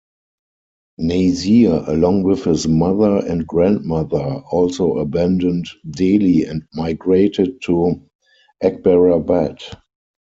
Nazeer along with his mother and grandmother also abandoned Delhi and migrated to Akbarabad.